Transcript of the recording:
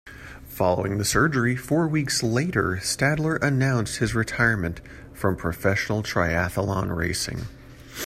Following the surgery, four weeks later, Stadler announced his retirement from professional triathlon racing.